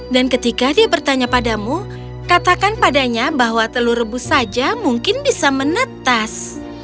dan ketika dia bertanya padamu katakan padanya bahwa telur rebus saja mungkin bisa menetas